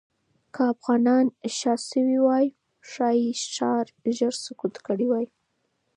که افغانان شا شوې وای، ښایي ښار ژر سقوط کړی وای.